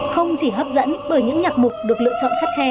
không chỉ hấp dẫn bởi những nhạc mục được lựa chọn khắt khe